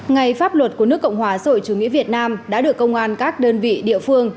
ngày pháp luật của nước cộng hòa rồi chủ nghĩa việt nam đã được công an các đơn vị địa phương